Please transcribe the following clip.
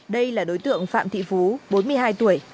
đây là đối tượng phạm thị phú bốn mươi hai tuổi